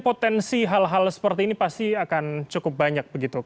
potensi hal hal seperti ini pasti akan cukup banyak begitu